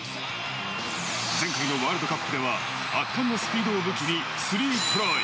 前回のワールドカップでは圧巻のスピードを武器に３トライ。